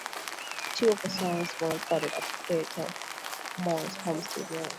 Two of the songs were recorded at Peter Moore's home studio.